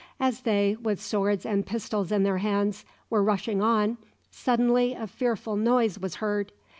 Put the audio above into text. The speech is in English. As they, with swords and pistols in their hands, were rushing on, suddenly a fearful noise was heard.